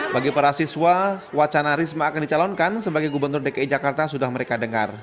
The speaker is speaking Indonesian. bagi para siswa wacana risma akan dicalonkan sebagai gubernur dki jakarta sudah mereka dengar